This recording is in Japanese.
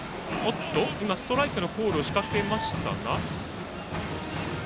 ストライクのコールをしかけましたが。